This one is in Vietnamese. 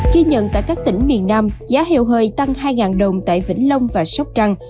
ghi nhận tại các tỉnh miền nam giá heo hơi tăng hai đồng tại vĩnh long và sóc trăng